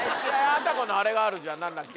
あさこのあれがあるじゃん何だっけ？